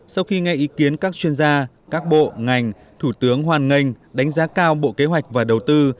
sau khi nghe ý kiến các chuyên gia các bộ ngành thủ tướng hoan nghênh đánh giá cao bộ kế hoạch và đầu tư